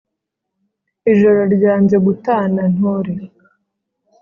ijoro ryanze gutana ntore!